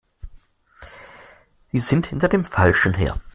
Sie sind hinter dem Falschen her!